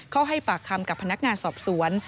ให้ปากคำกับพนักงานสอบสวน